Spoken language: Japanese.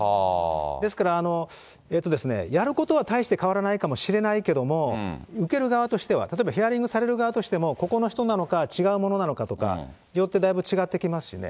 ですから、やることは大して変わらないかもしれないけれども、受ける側としては、例えばヒアリングされる側としても、ここの人なのか、違うものなのかとかによってだいぶ違ってきますしね。